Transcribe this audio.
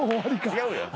違うやん。